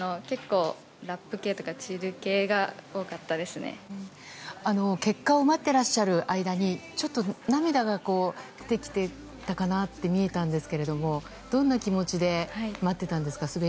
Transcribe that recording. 結構、ラップ系というかチル系が結果を待ってらっしゃる間にちょっと涙が出てきてたかなと見えたんですけどどんな気持ちで待っていたんですか？